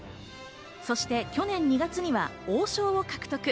そして去年２月には王将を獲得。